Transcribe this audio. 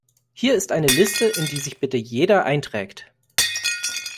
Hier ist eine Liste, in die sich bitte jeder einträgt.